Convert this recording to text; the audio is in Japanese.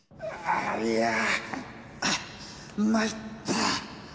いやまいった。